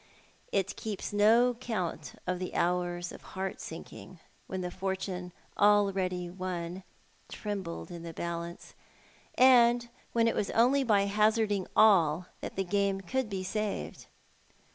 It keeps no count of the hours of heart sinking when the fortune already won trembled in the balance, and when it was only by hazarding all that the game could be saved.